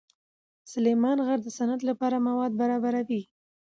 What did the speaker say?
سلیمان غر د صنعت لپاره مواد برابروي.